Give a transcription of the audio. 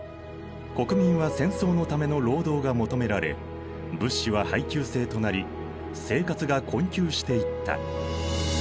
国民は戦争のための労働が求められ物資は配給制となり生活が困窮していった。